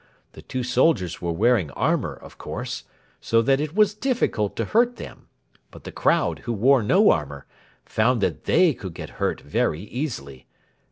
The two soldiers were wearing armour, of course, so that it was difficult to hurt them; but the crowd, who wore no armour, found that they could get hurt very easily.